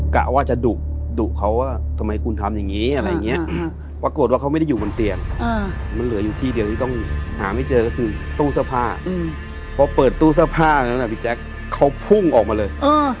กะว่าจะดุเขาว่าทำไมคุณทำอย่างนี้อะไรอย่างนี้ปรากฏว่าเขาไม่ได้อยู่บนเตียงมันเหลืออยู่ที่เดียวที่ต้องหาไม่เจอก็คือตู้เสื้อผ้าพอเปิดตู้เสื้อผ้านั้นพี่แจ๊คเขาพุ่งออกมาเลย